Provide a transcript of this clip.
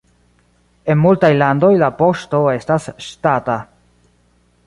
En multaj landoj la poŝto estas ŝtata.